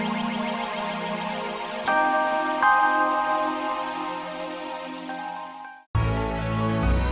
terima kasih allah